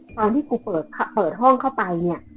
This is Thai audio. ตอนที่กูเปิดห้องเข้าไปเนี่ย